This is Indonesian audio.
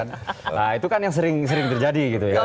nah itu kan yang sering terjadi gitu ya